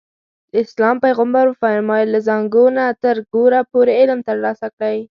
د اسلام پیغمبر وفرمایل له زانګو نه تر ګوره پورې علم ترلاسه کړئ.